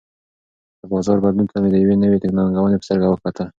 د بازار بدلون ته مې د یوې نوې ننګونې په سترګه وکتل.